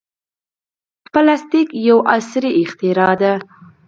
پلاستيک یو عصري اختراع ده.